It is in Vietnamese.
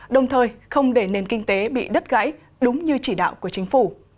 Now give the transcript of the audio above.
đồng thời không để nền kinh tế bị đất gãy đúng như chỉ đạo của chính phủ